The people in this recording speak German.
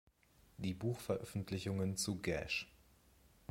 Die Buchveröffentlichungen zu "Gash!